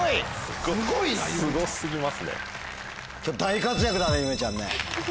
今日大活躍だねゆめちゃんね。